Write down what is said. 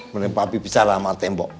mending papi bicara sama tembok